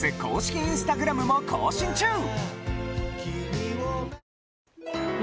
『ＤＸ』公式インスタグラムも更新中！